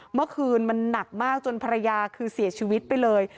เมื่อคืนมันหนักมากจนภรรยาคือเสียชีวิตไปเลย